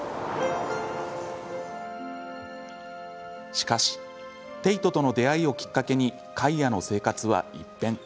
しかし、テイトとの出会いをきっかけにカイアの生活は一変。